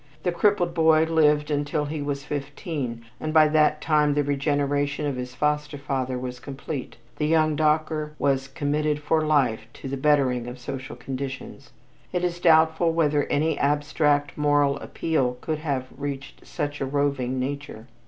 The crippled boy lived until he was fifteen and by that time the regeneration of his foster father was complete, the young docker was committed for life to the bettering of social conditions. It is doubtful whether any abstract moral appeal could have reached such a roving nature.